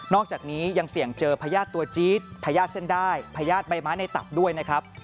อกจากนี้ยังเสี่ยงเจอพญาติตัวจี๊ดพญาติเส้นได้พญาติใบไม้ในตับด้วยนะครับ